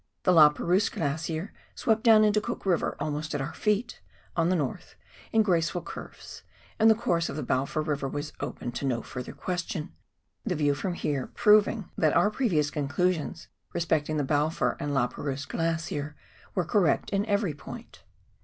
The La Perouse Glacier swept down into Cook River almost at our feet, on the north, in graceful curves, and the course of the Balfour River was open to no further question, the view from here proving that our previous ■^v^ COPLAND RIVER AND GENERAL WORK. 295 conclusions respecting tlie Balfour and La Perouse Glacier were correct in every point.